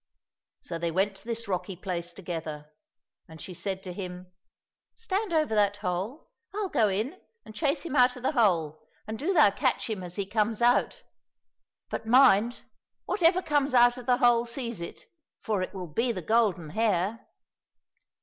So they went to this rocky place together, and she said to him, " Stand over that hole. I'll go in and chase him out of the hole, and do thou 246 THE MAGIC EGG catch him as he comes out ; but mind, whatever comes out of the hole, seize it, for it will be the golden hare."